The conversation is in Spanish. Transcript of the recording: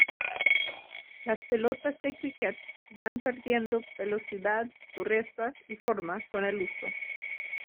Las pelotas de críquet van perdiendo velocidad, dureza y forma con el uso.